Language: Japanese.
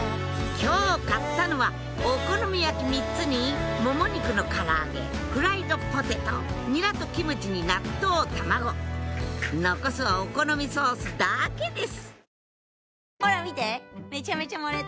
今日買ったのはお好み焼き３つにもも肉のから揚げフライドポテトニラとキムチに納豆卵残すはお好みソースだけです